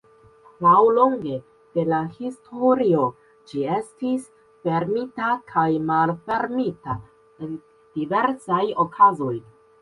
Laŭlonge de la historio ĝi estis fermita kaj malfermita en diversaj okazoj.